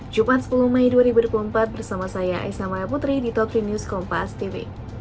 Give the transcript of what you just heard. jumat sepuluh mei dua ribu dua puluh empat bersama saya aisamaya putri di top tiga news kompastv